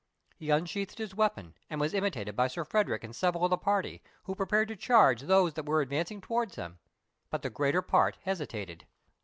He unsheathed his weapon, and was imitated by Sir Frederick and several of the party, who prepared to charge those that were advancing towards them. But the greater part hesitated.